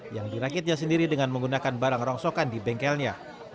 yang dirakitnya sendiri dengan menggunakan barang rongsokan di bengkelnya